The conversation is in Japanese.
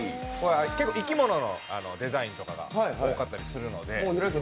結構、生き物のデザインとかが多かったりするので。